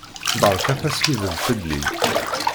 Beṛkat askiddeb fell-i.